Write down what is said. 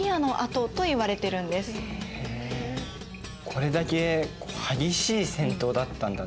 これだけ激しい戦闘だったんだね。